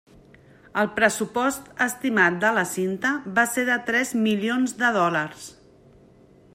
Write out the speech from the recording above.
El pressupost estimat de la cinta va ser de tres milions de dòlars.